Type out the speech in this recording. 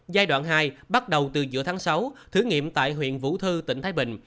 giai đoạn hai bắt đầu từ giữa tháng sáu thử nghiệm tại huyện vũ thư tỉnh thái bình